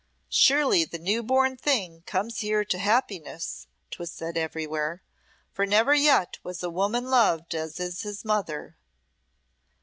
"Surely the new born thing comes here to happiness," 'twas said everywhere, "for never yet was woman loved as is his mother."